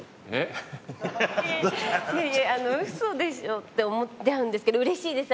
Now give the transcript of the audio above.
いやいや嘘でしょ？って思っちゃうんですけどうれしいです。